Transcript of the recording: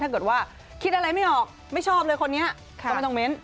ถ้าเกิดว่าคิดอะไรไม่ออกไม่ชอบเลยคนนี้ก็ไม่ต้องเม้น